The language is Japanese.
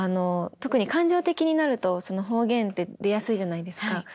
特に感情的になるとその方言って出やすいじゃないですか。